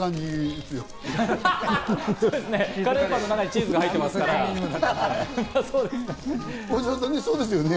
カレーパンの中にチーズが入ってますから、そうですね。